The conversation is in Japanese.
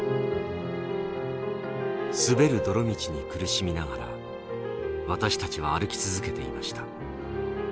「滑る泥道に苦しみながら私たちは歩き続けていました。